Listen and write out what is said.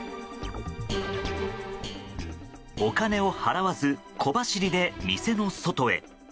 お金を払わず小走りで店の外へ。